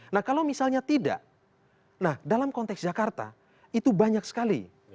nah kalau misalnya tidak nah dalam konteks jakarta itu banyak sekali